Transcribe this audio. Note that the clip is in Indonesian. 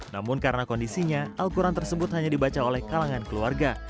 namun karena kondisinya al quran tersebut hanya dibaca oleh kalangan keluarga